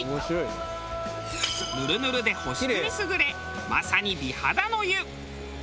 ヌルヌルで保湿に優れまさに美肌の湯。